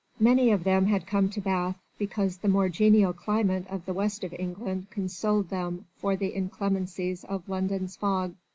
Many of them had come to Bath because the more genial climate of the West of England consoled them for the inclemencies of London's fogs.